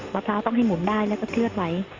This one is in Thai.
พร้าวต้องให้หมุนได้แล้วก็เคลือดไว้